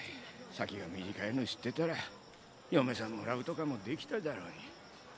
先が短いの知ってたら嫁さんもらうとかもできただろうに。